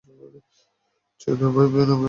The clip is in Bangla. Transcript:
ছেড়ে দাও ভয় পেয়ো না, ভয় পেয়ো না, টাইগার!